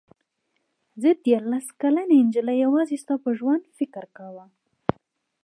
زه دیارلس کلنې نجلۍ یوازې ستا په ژوند فکر کاوه.